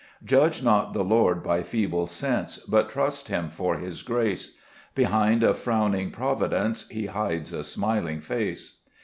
4 Judge not the Lord by feeble sense, But trust Him for His grace ; Behind a frowning providence He hides a smiling face.